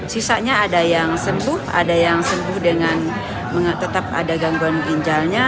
sisanya ada yang sembuh ada yang sembuh dengan tetap ada gangguan ginjalnya